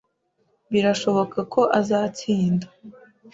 Birashoboka ko azatsinda.